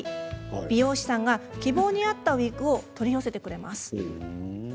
美容師さんが希望に合ったウイッグを取り寄せてくれます。